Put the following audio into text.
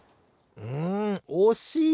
んおしい！